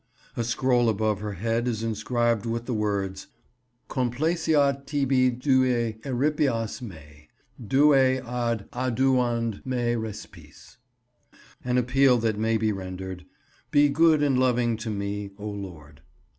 A scroll above her head is inscribed with the words— "Complaceat tibi due eripias me Due ad adiuuand' me respice" an appeal that may be rendered, "Be good and loving to me, O Lord."